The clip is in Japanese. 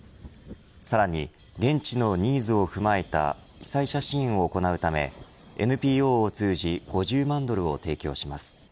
さらに、現地のニーズを踏まえた被災者支援を行うためＮＰＯを通じ５０万ドルを提供します。